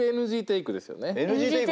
ＮＧテイクっすね。